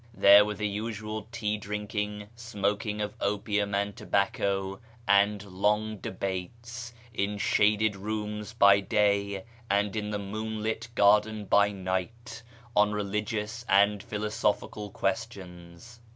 There was the usual tea drinking, smoking of opium and tobacco, and long debates — in shaded rooms by day and in the moon lit garden by night — on religious and philosophical questions.